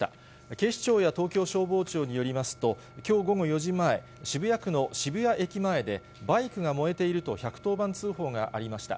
警視庁や東京消防庁によりますと、きょう午後４時前、渋谷区の渋谷駅前で、バイクが燃えていると１１０番通報がありました。